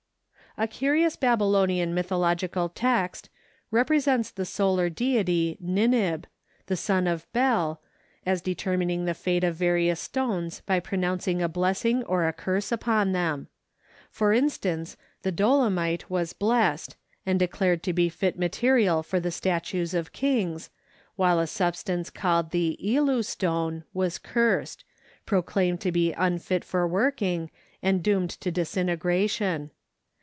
A curious Babylonian mythological text represents the solar deity Ninib, the son of Bel, as determining the fate of various stones by pronouncing a blessing or a curse upon them. For instance, the dolomite was blessed and declared to be fit material for the statues of kings, while a substance called the elu stone was cursed, proclaimed to be unfit for working, and doomed to disintegration.